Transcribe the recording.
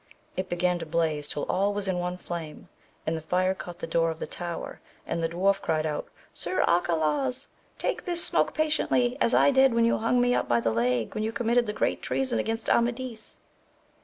It began to blaze till all was in one flame, and the fire caught the door of the tower, and the dwarf cried out, Sir Arcalaus ! take this smoke patiently, as I did when you hung me up by the 1^ when you comniitted that great treason against Amadis.